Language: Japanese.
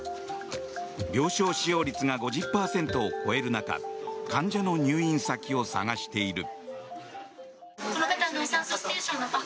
病床使用率が５０％を超える中患者の入院先を探している。